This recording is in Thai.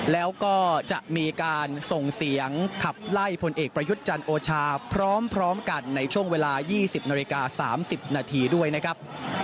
แล้วก็จะมีการส่งเสียงขับไล่พลเอกประยุทธ์จันทร์โอชาพร้อมกันในช่วงเวลา๒๐นาฬิกา๓๐นาทีด้วยนะครับ